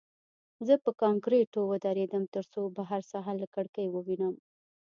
زه په کانکریټو ودرېدم ترڅو بهر ساحه له کړکۍ ووینم